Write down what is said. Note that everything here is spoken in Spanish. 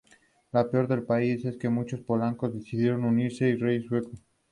Lo peor para el país es que muchos polacos decidieron unirse al rey sueco.